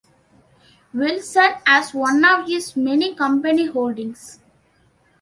Wilson as one of his many company holdings.